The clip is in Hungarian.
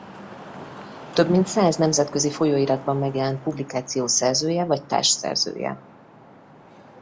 Több mint száz nemzetközi folyóiratban megjelent publikáció szerzője vagy társszerzője.